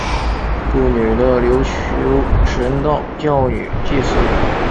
祝女的琉球神道教女祭司。